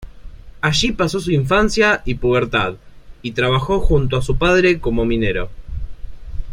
Allí pasó su infancia y pubertad y trabajó junto a su padre como minero.